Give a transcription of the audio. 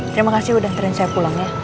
terima kasih udah antarin saya pulang